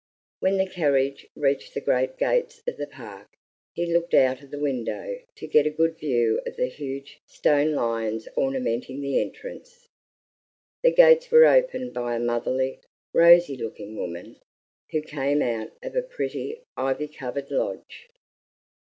When the carriage reached the great gates of the park, he looked out of the window to get a good view of the huge stone lions ornamenting the entrance. The gates were opened by a motherly, rosy looking woman, who came out of a pretty, ivy covered lodge.